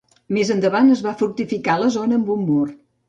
Més endavant es va fortificar la zona amb un mur.